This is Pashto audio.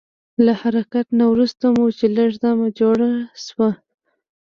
له حرکت نه وروسته مو چې لږ دمه جوړه شوه.